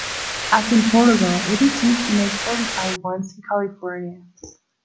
As in Portugal, it is used to make fortified wines in California.